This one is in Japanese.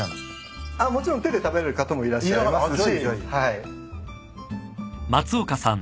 あっもちろん手で食べる方もいらっしゃいますし。